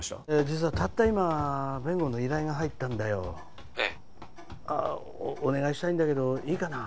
実はたった今弁護の依頼が入ったんだよ☎ええお願いしたいんだけどいいかな？